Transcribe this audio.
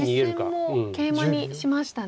実戦もケイマにしましたね。